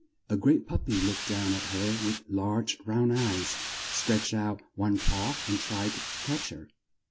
A great pup py looked down at her with large round eyes, stretched out one paw and tried to touch her.